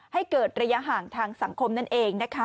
ให้เกิดระยะห่างทางสังคมนั่นเองนะคะ